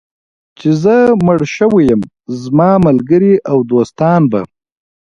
چې زه مړ شوی یم، زما ملګري او دوستان به.